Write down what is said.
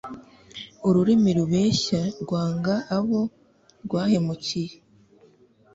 Ururimi rubeshya rwanga abo rwahemukiye